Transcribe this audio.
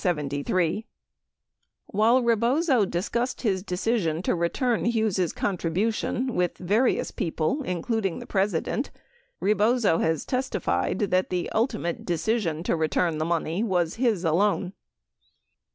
11 While Rebozo discussed his decision to return Hughes' contri bution with various people including the President, Rebozo has testi fied that the ultimate decision to return the money was his alone.